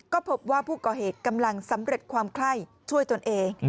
ก็พบว่าผู้ก่อเหตุกำลังสำเร็จความไข้ช่วยตนเอง